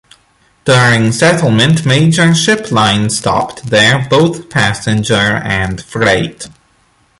During settlement, major ship lines stopped there, both passenger and freight.